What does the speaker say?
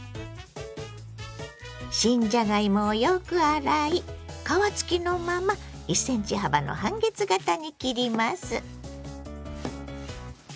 新じゃがいもをよく洗い皮付きのまま１ｃｍ幅の半月形に切ります。